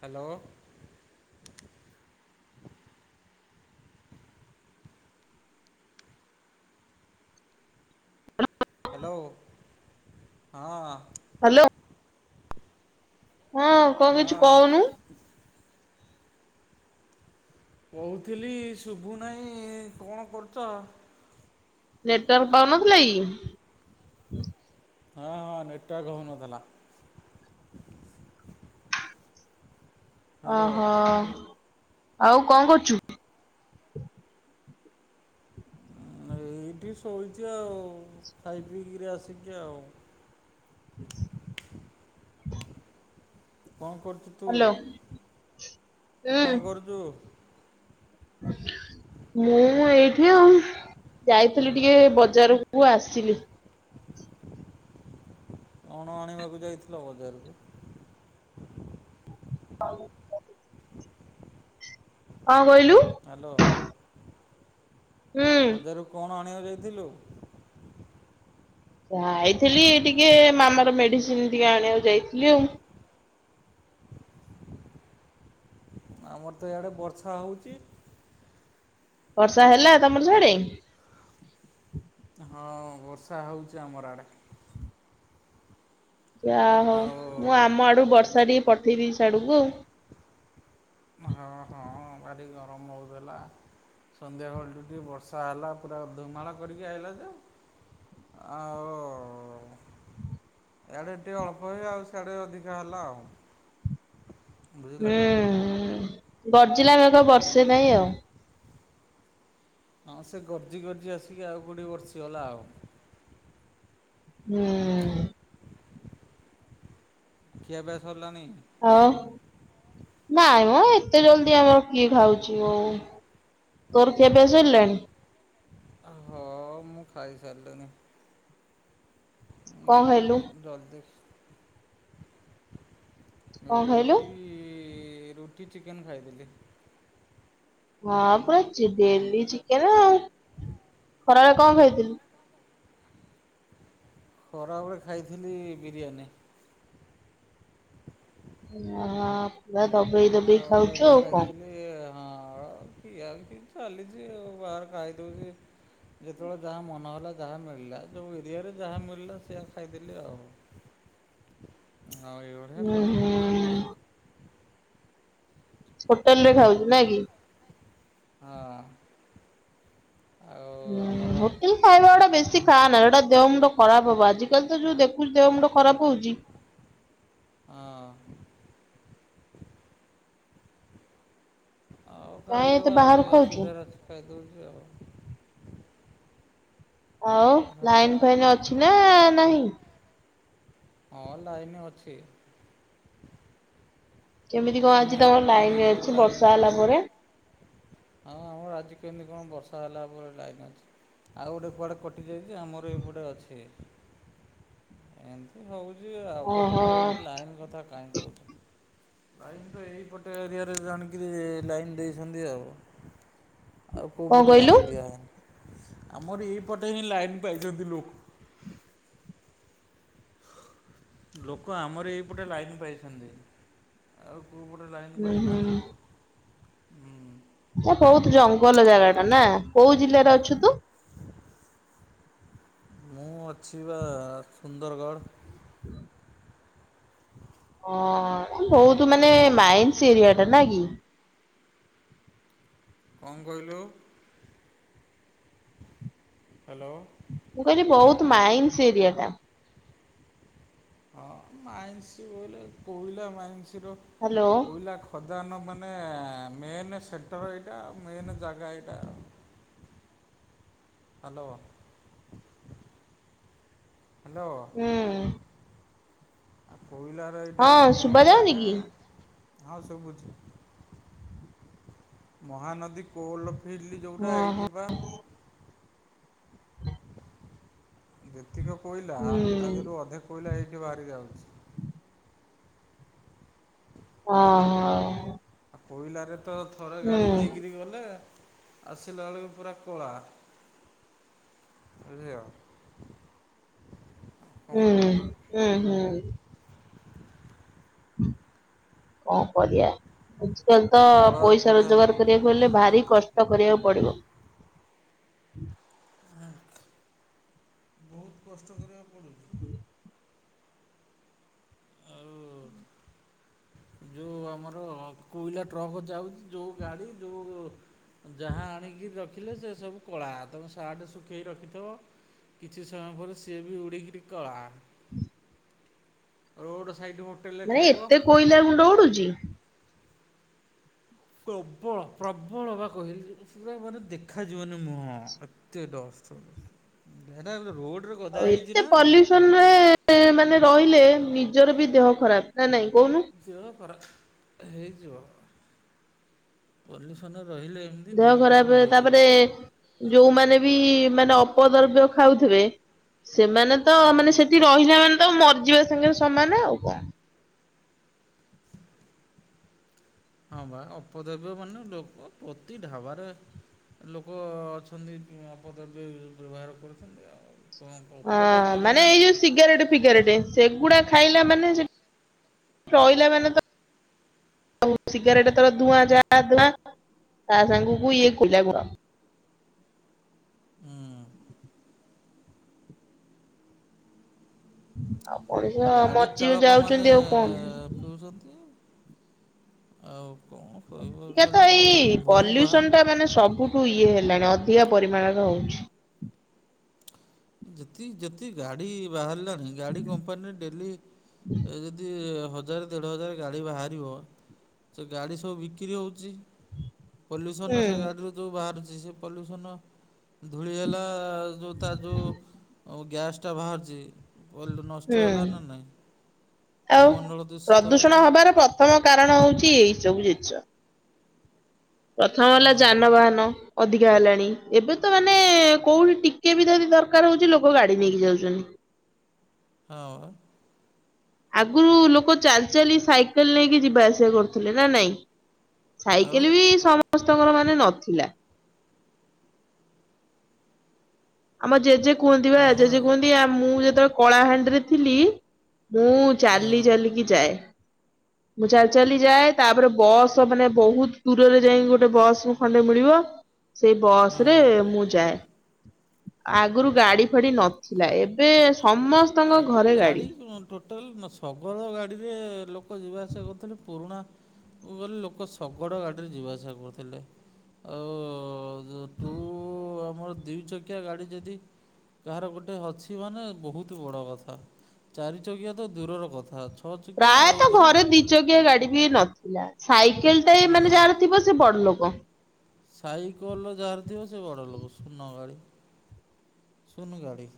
Hello. Hello ହଁ। Hello. ହଁ କଣ କିଛି ହଁ କହୁନୁ? କହୁଥିଲି ଶୁଭୁନାଇଁ, କଣ କରୁଚ? ନେଟୱାର୍କ ପାଉନଥିଲା କି? ହଁ ହଁ ନେଟୱାର୍କ ହଉନଥିଲା। ଅ ହ୍ୟାଲୋ ହ ଆଉ କଣ କରୁଚୁ? ଏଇଠି ଶୋଇଛି ଆଉ ଖାଇ ପି କିରି ଆସିକି ଆଉ। କଣ କରୁଛୁ ତୁ ହ୍ୟାଲୋ ତୁ ହୁଁ କଣ କରୁଚୁ? ମୁଁ ଏଇଠି ଆଉ। ଯାଇଥିଲି ଟିକେ ବଜାରକୁ ଆସିଲି। କଣ ଆଣିବାକୁ ଯାଇଥିଲ ବଜାରକୁ? କଁ କହିଲୁ? ହ୍ୟାଲୋ ହୁଁ ବଜାରରୁ କଣ ଆଣିବାକୁ ଯାଇଥିଲୁ? ଯାଇଥିଲି ଟିକେ ମାମାର ମେଡିସିନ ଟିକେ ଆଣିବାକୁ ଯାଇଥିଲି ଆଉ। ଆମର ତ ଏଆଡେ ବର୍ଷା ହେଉଛି। ବର୍ଷା ହେଲା ତମର ସିଆଡେ? ହଁ ବର୍ଷା ହେଉଛି ଆମର ଆଡ଼େ। ଯା ହଉ ମୁଁ ଆଉ ଆମ ଆଡୁ ବର୍ଷା ଟିକେ ପଠେଇଦେଇଚି ସିଆଡକୁ ଆଉ। ହଁ ହଁ ଭାରି ଗରମ ହଉଥିଲା। ସନ୍ଧ୍ୟାବେଳ ଠୁ ଟିକେ ବର୍ଷା ହେଲା ପୁରା ଧୁମାଳ କରିକି ଆଇଲା ଯେ। ଆଉ ଉ ଇଆଡେ ଟିକେ ଅଳ୍ପ ହୁଏ ଆଉ ସିଆଡେ ଅଧିକା ହେଲା ଆଉ। ବୁଝିଲ କି ହୁଁ ଗର୍ଜିଲା ମେଘ ହୁଁ। ବର୍ଷେ ନାଇଁ ଆଉ। ହଁ ସେ ଗର୍ଜି ଗର୍ଜି ଆସିକି ଆଉ କୋଉଠି ବର୍ଷଗଲା ଆଉ। ହୁଁ। ଖିଆ ପିଆ ସରିଲାଣିି? ହଉ ନାଇଁ ମ ଏତେ ଜଲଦି ଆମର କିଏ ଖାଉଛି ହଉ। ତୋର ଖିଆପିଆ ସରିଲାଣି? ଅ ହୋ ମୁଁ ଖାଇ ସାରିଲିନି। କଣ ଖାଇଲୁ? ଜଲଦି। କଣ ଖାଇଲୁ? ରୁଟି ଇ ରୁଟି, ଚିକେନ ଖାଇଥିଲି। ହଁ ପା ଚି ଡେଲି ଚିକେନ ଆଉ ଖରାବେଳେ କଣ ଖାଇଥିଲୁ? ଖରାବେଳେ ଖାଇଥିଲି ବିରିୟାନୀ। ହ ପୁରା ଦବେଇ ଦବେଇ ଖାଉଛୁ ଆଉ କଣ। ଏଇ ହଁ ଖିଆଖି ଚାଲିଛି ଆଉ ବାହାରେ ଖାଇଦଉଛି। ଯେତେବେଳେ ଯାହା ମନ ହେଲା ଯାହା ମିଳିଲା ଯୋଉ ଏରିଆରେ ଯାହା ମିଳିଲା ସେଇଆ ଖାଇଦେଲି ଆଉ। ଆଉ ଏଭଳିଆ ହୁଁ କଥା। ହୁଁ। ହୋଟେଲ ରେ ଆଉ ଖାଉଛୁ ଗୋଟେ ନାଇଁ କି? ହଁ। ଆଉ ହୁଁ ଆମର ହ ସେ ଖାଇବା ଗୁଟା ବେଶୀ ଖାଆନା ହେଡା ଦେହ ମୁଣ୍ଡ ଖରାପ ହବ ଆଜିିକାଲି ତ ଯୋଉ ଦେଖୁଚୁ ଦେହ ମୁଣ୍ଡ ଖରାପ ହଉଛି ହଁ। ଆଉ କାଇଁ ଏତେ ଖାଇଦବା ଏଠେ ବାହାରୁ ଖାଉଛୁ। ଅସୁବିଧାରେ ଅଛି ଖାଇଦଉଛି ଆଉ। ଆଉ ହ୍ୟାଲୋ ଲାଇନ ଫାଇନ୍ ଅଛି ନା ନାହିଁ? ହଁ ଲାଇନ ଅଛି। କେମିତି ଦୁଇ କଣ ଦିନ ଆଜି ହେବ ତମ ତିନି ଲାଇନ ଦିନ ହେବ ଅଛି ଲାଇନ୍ ବର୍ଷା ଅଛି। ହେଲା ପରେ। ହଁ ଆମ ଆଜି କେମିତି କଣ ବର୍ଷା ହେଲା ପରେ ଲାଇନ ଅଛି ଆଉ ଗୋଟେ କୁଆଡ଼େ କଟିଯାଇଛି ଆମର ଏପଟେ ଅଛି ଏମିତି ହଉଛି ଉଟୁଛି ଆଉ ଏପଟେ ଜୋ ଓହୋ। ହଉଛି ଲାଇନ୍ କଥା କାହିଁ କହୁଛୁ। ଲାଇନ ତ ଏଇପଟେ ଏରିଆରେ ଜାଣିକିରି ଲାଇନ ଦେଇଛନ୍ତି ଆଉ। ଆଉ କେଉଁ କଣ ପଟେ କହିଲୁ? ଲାଇନ୍ ଦିଆହେଇନି ଆମର ଏଇପଟେ ହିଁ ଲାଇନ୍ ପାଇଛନ୍ତି ଲୋକ ଲୋକ ଆମର ଏଇପଟେ ଲାଇନ୍ ପାଇଛନ୍ତି। ଆଉ କେଉଁ ପଟେ ଲାଇନ୍ ହୁଁ ହୁଁ ପାଇନାହ ଏ ବହୁତ ଜଙ୍ଗଲ ଜାଗା ଟା ନା କୋଉ ଜିଲ୍ଲାରେ ଅଛୁ ତୁ? ମୁଁ ଅଛି ବା ସୁନ୍ଦରଗଡ଼। ଓଁ ବହୁତ ମାନେ ମାଇନ୍ସ ଏରିଆ ଟା ନାଇ କି? କଣ କହିଲୁ ହ୍ୟାଲୋ। ମୁଁ କହିଲି ବହୁତ ମାଇନ୍ସ ଏରିଆ ଟା। ହଁ ମାଇନସ୍ ବୋଇଲେ କୋଇଲା ମାଇନସ ର ହ୍ୟାଲୋ କୋଇଲା ଖଦାନ ମାନେ ମେନ ସେ ତର ଏଇଟା ମେନ୍ ଜାଗା ଏଇଟା। ହ୍ୟାଲୋ। ହ୍ୟାଲୋ। ହୁଁ। ଆଉ କୋଇଲାର ଏଇଟା ହଁ ଶୁଭା ମେନ୍ ଯାଉନି ଜାଗା କି? ହଁ ସୁବୁଛି। ମହାନଦୀ କୋଲ ଫିଲ୍ଡ ହଁ ଯେଉଁଟା ହଁ ଏଇଠି ପା ଯେତିକି କୋଇଲା ହୁଁ ତା ଦେହରୁ ଅଧେ କୋଇଲା ଏଇଠି ବାହାରି ଯାଉଛି। ହଁ ବୁଝିଲେ କି ହଁ ଆଉ କୋଇଲାରେ ତ ଥରେ ଗାଡ଼ି ହୁଁ ନେଇକରି ଗଲେ ଆସିଲା ବେଳକୁ ପୁରା କଳା। ବୁଝି ହୁଁ ହୁଁ ହୁଁ ହଉ ବଢିଆ ଆଜି କାଲି ତ କଳା ପଇସା ପୁରା ରୋଜଗାର କରିବାକୁ ହେଲେ ଭାରି କଷ୍ଟ କରିବାକୁ ପଡିବ ଆ ବହୁତ କଷ୍ଟ କରିବାକୁ ପଡୁଛି [inaudible] ଆଉ ହୁଁ ଯୋଉ ଆମର କୋଇଲା ଟ୍ରକ୍ ଯାଉଛି ଯୋଉ ଗାଡି ଯୋଉ ଯାହା ଆଣିକି ରଖିଲେ ସେ ସବୁ କଳା ତୁମେ ସାର୍ଟେ ଶୁଖେଇକି ରଖିଥିବ କିଛି ସମୟ ପରେ ସିଏ ବି ଉଡ଼ିକିରି କଳା ରୋଡ଼ ସାଇଡ ମ ନାଇଁ ଏତେ କୋଇଲା ଗୁଣ୍ଡ ଉଡୁଛି। ପ୍ରବଳ ପ୍ରବଳ ବା କହିଲି ପୁରା ମାନେ ଦେଖାଯିବନି ମୁହଁ ଏତେ ଡଷ୍ଟ ସେଟା ହେଲେ ରୋଡ଼ ରେ ଆଉ ଏତେ ପଲୁ ରେ ମାନେ ରହିଲେ ନିଜର ବି ଦେହ ଖରାପ ନାଇ ନାଇଁ କହୁନୁ ଦେହ ଖରାପ ହେଇଯିବ ପଲ୍ୟୁସନ ରହିଲେ ଦେହ ଖରାପ ତାପରେ ଯୋଉମାନେ ବି ମାନେ ଅପଦ୍ରବ୍ୟ ଖାଉଥିବେ ସେମାନେ ତ ମାନେ ହେଇଯିବ ସେଠି ରହିଲା ମାନେ ତ ମରିଯିବା ସାଙ୍ଗରେ ସମାନେ ଆଉ କଣ ହଁ ବା ଅପଦ୍ରବ୍ୟ ମାନେ ଲୋକ ପ୍ରତି ଢାବାରେ ଲୋକ ଅଛନ୍ତି ଅପଦ୍ରବ୍ୟ ବ୍ୟବହାର କରୁଛନ୍ତି ଆଉ। କଣ ହଁ ଅପଦ୍ରବ୍ୟ ମାନେ ବିନା ଏଇ ଯୋଉ ସିଗାରେଟ ଫିଗାରେଟ। ସେଗୁଡା ଖାଇଲା ମାନେ ଯେ ରହିଲା ମାନେ ତ ଆଉ ସିଗାରେଟ ତର ଧୂଆଁ ଯାହା ଧୁଆଁ ତା ସାଙ୍ଗକୁ ଇଏ କୋଇଲା ଗୁଡ। ହୁଁ। ଆଉ ମଣିଷ ଗାଡି ମରିଜି ଚାଳକ ମାନେ ଯାଉଛନ୍ତି ଆଉ କଣ? ଶୋଉଚନ୍ତି ଆଉ କଣ କହିବ ଏକା ତ ଖାଲି ଏଇ ଭୁଁ ଭାଁ। ପଲ୍ୟୁସନ ଟା ମାନେ ସବୁ ଠୁ ଇଏ ହେଲାଣି ଅଧିକା ପରିମାଣରେ ହଉଚି। ଯେତିକି ଯେତିି ଗାଡି ବାହାର୍ଲା ଗାଡ଼ି କମ୍ପାନୀ ଡେଲି ଯଦି ହଜାର୍ ଦେଢ ହଜାର୍ ଗାଡି ବାହାରିବ ସେ ଗାଡି ସବୁ ବିକ୍ରି ହଉଚି। ପଲ୍ୟୁସନ ହୁଁ ସେ ଗାଡ଼ିରୁ ଯେଉଁ ବାହାରୁଚି ସେ ପଲ୍ୟୁସନ। ଧୂଳି ହେଲା ଯୋଉ ତାର ଯୋଉ ଗ୍ୟାସ୍ଟା ବାହାର୍ଚି ପଲ୍ ନଷ୍ଟ ହୁଁ ହେଲା ନା ନାଇଁ ଆଉ ବାୟୁମଣ୍ଡଳ ଦୂଷିତ ପ୍ରଦୂଷଣ ହେଲା। ହବାର ପ୍ରଥମ କାରଣ ହଉଛି ଏଇ ସବୁ ଜିନ୍ସ। ପ୍ରଥମ ହେଲା ହଁ ଯାନବାହାନ। ଅଧିକା ହେଲାଣି ଏବେ ତ ମାନେ କୋଉଠି ଟିକେ ବି ଯଦି ଦର୍କାର୍ ହଉଚି ଲୋକ ଗାଡି ନେଇକି ଯାଉଚନ୍ତି। ହଁ। ଆଗୁରୁ ଲୋକ ଚାଲି ଚାଲି ସାଇକେଲ ନେଇକି ଯିବା ଆସିବା କରୁଥିଲେ ନା ନାଇଁ। ହଁ ସାଇକେଲ୍ ବି ସମସ୍ତଙ୍କର ମାନେ ନଥିଲା। ଆମ ଜେଜେ କୁହନ୍ତି ବା ଜେଜେ କୁହନ୍ତି ମୁଁ ଯେତେବେଳେ କଳାହାଣ୍ଡିରେ ଥିଲି ମୁଁ ଚାଲି ଚାଲିକି ଯାଏ। ମୁଁ ଚାଲି ଚାଲି ଯାଏ ତାପରେ ବସ୍ ମାନେ ବହୁତ୍ ଦୂରରେ ଯାଇକି ଗୋଟେ ବସ୍ ଖଣ୍ଡେ ମିଳିବ। ସେଇ ବସ୍ ରେ ହଁ ମୁଁ ଯାଏ। ଆଗୁରୁ ଗାଡି ଫାଡି ନଥିଲା। ଏବେ ସମସ୍ ଆଗୁରୁ ଗାଡି ଟୋ ଟାଲ୍ ଶଗଡ ଗାଡ଼ିରେ ଲୋକ ଯିବା ଆସିବା କରୁଥିଲେ। ପୁରୁଣା କୁ ଗଲେ ଲୋକ ଶଗଡ଼ ଗାଡ଼ିରେ ଯିବା ଆସିବା କରୁଥିଲେ। ଆଉ ଟୁ ଆମର ଦି ଚ କିଆ ଗାଡି ଯଦି କାହାର ଗୋଟେ ଅଛି ମାନେ ବହୁତ୍ ତ ବଡ଼ କଥା ଚାରି ଚକିଆ ତ ଦୂରର କଥା ଛଅ ଚକିଆ ଆଉ ପ୍ରାୟତଃ ଘରେ ଦୂରର। ଦି ଚକିଆ ଗାଡି ବି ନଥିଲା ସାଇକେଲ ଟାଏ ମାନେ ଯାହାର ଥିବ ସେ ବଡ ଲୋକ। ସାଇକେଲ ଯାର ଥିବ ସେ ବଡ ଲୋକ। ଶୂନ ଗାଡି। ସୁନ୍ ଗାଡ଼ି।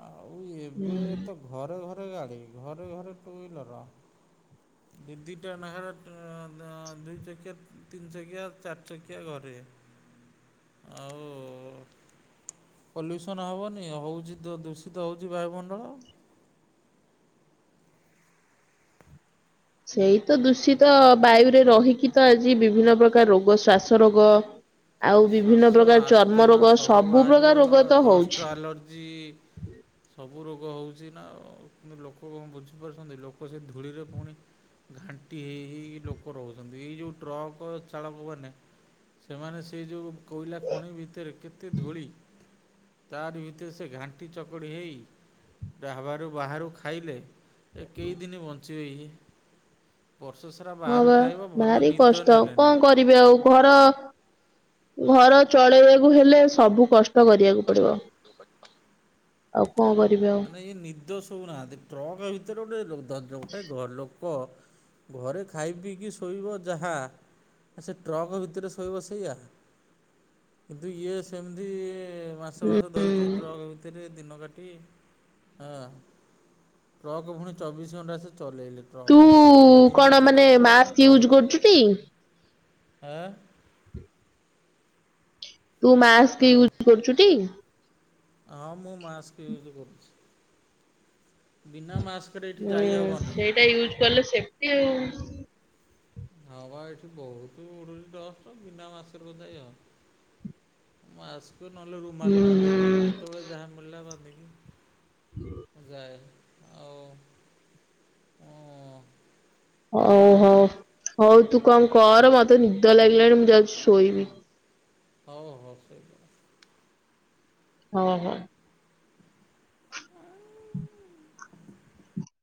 ଆଉ ହୁଁ। ଏବେ ତ ଘରେ ଘରେ ଗାଡ଼ି ଘରେ ଘରେ ଟୁ ୱିଲର୍। ଦି ଦି ଟା ନାଖେ ଦୁଇ ଚକିଆ ତିନି ଚକିଆ ଚାରି ଚକିଆ ଘରେ। ଆଉ। ପଲ୍ୟୁସନ୍ ହବନି ହେଉଛି ଦୁ ଦୂଷିତ ହେଉଛି ବାୟୁମଣ୍ଡଳ। ସେଇ ତ ଦୂଷିତ ବାୟୁରେ ରହିକି ତ ଆଜି ବିଭିନ୍ନ ପ୍ରକାର ରୋଗ, ଶ୍ଵାସ ରୋଗ। ଆଉ ବିଭିନ୍ନ ଶ୍ୱାସ ପ୍ରକାର ଚର୍ମ ଆସ୍ଥମା ରୋଗ ସବୁ ପ୍ରକାର ବାହାରିବ। ରୋଗ ତ ହଉଛି। Dust allergy. ସବୁ ରୋଗ ହଉଛି ନା କିନ୍ତୁ ଲୋକ କଣ ବୁଝିପାରୁଛନ୍ତି। ଲୋକ ସେ ଧୂଳିରେ ପୁଣି ଘାଣ୍ଟି ହେଇ ହେଇ ଲୋକ ରହୁଛନ୍ତି। ଏଇ ଯୋଉ ଟ୍ରକ ଚାଳକ ମାନେ ସେମାନେ ସେ ଯେଉଁ କୋଇଲା ଖଣି ଭିତରେ କେତେ ଧୂଳି। ତାରି ଭିତରେ ସେ ଘାଣ୍ଟି ଚକଡ଼ି ହୋଇ ଢାବାରୁ ବାହାରୁ ଖାଇଲେ। ଏ କେଇ ଦିନି ବନ୍ଚିବେ ଇଏ। ବର୍ଷ ସାରା ହଁ ବାହାରୁ ଖାଇବା ଭଲ ନିଦ ନେଲେନେ। ବେ ଆଉ ଘର ଘର ଚଳେଇବାକୁ ହେଲେ ସବୁ କଷ୍ ଟ କରିବାକୁ ପଡିବ। ଆଉ କଣ କରିବି ଆଉ। ଇ ନିଦ ସୋଉ ନାହାନ୍ତି। ଟ୍ରକ ଭିତରେ ଗୋଟେ ଗୋଟେ ଲୋକ ଘରେ ଖାଇ ପିକି ଶୋଇବ ଯାହା। ଆ ସେ ଟ୍ରକ ଭିତରେ ଶୋଇବ ସେଇଆ? କିନ୍ତୁ ଇଏ ସେମିତି ମାସ ମାସ ହୁଁ ଧରିଚି ଟ୍ରକ୍ ଭିତରେ ଦିନ କାଟି ହଁ ଟ୍ରକ୍ ପୁଣି ଚବିଶି ଘଣ୍ଟା ସେ ଚଲେଇଲେ। ହଁ ତୁ ବା ଟ୍ରକ୍ କଣ ଦିନସାରା ଉଠିଲା ମାନେ ମାସ୍କ ୟୁଜ ଟ୍ରକ୍ କରୁଚୁଟି? ଚଲା ଏଁ ତୁ ମାସ୍କ ହ୍ୟାଲୋ ୟୁଜ୍ କରୁଚୁ ଟି? ହଁ ମୁଁ ମାସ୍କ ୟୁଜ୍ କରୁଛି। ବିନା ମାସ୍କରେ ଏଠି ହୁଁ ଯାଇହବନି ସେଇଟା ୟୁଜ୍ କଲେ ସେପେଟି ଆଉ। ହଁ ବା ଏଠି ବହୁତ ଉଡୁଚି ଡଷ୍ଟ ବିନା ମାସ୍କରେ ଙ୍କ ଯାଇ ହବ? ମାସ୍କୁ ନହେଲେ ରୁମାଲ୍ ହୁଁ ବାନ୍ଧିଦିଏ ହୁଁ ଯେତେବେଳେ ଯାହା ମିଳିଲା ବାନ୍ଧିକି ଯାଏ ଆଉ ମୁଁ ହଉ ହ୍ୟାଲୋ ହଉ ହଉ ତୁ କଣ କର ମତେ ନିଦ ଲାଗିଲାଣି ମୁଁ ଯାଉଛି ଶୋଇବି। ହଉ ହଉ ଶୋଇ ହଁ ହଉ।